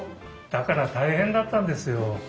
だから大変だったんですよ。